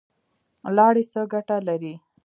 لاړې څه ګټه لري؟